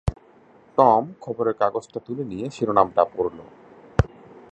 Tom খবরের কাগজটা তুলে নিয়ে শিরনামটা পড়ল।